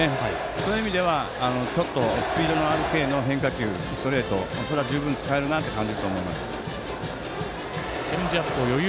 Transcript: そういう意味ではスピードのある変化球ストレート、それは十分使えるなという感じだと思います。